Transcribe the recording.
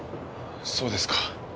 そうですか。